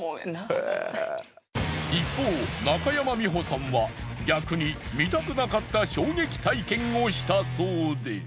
一方中山美穂さんは逆に見たくなかった衝撃体験をしたそうで。